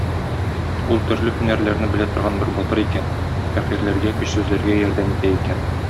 Ул төрле һөнәрләрне белә торган бер батыр икән, фәкыйрьләргә, көчсезләргә ярдәм итә икән.